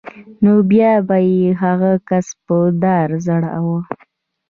نو بیا به یې هغه کس په دار ځړاوه